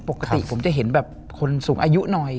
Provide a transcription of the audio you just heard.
ปกติผมจะเห็นแบบคนสูงอายุหน่อย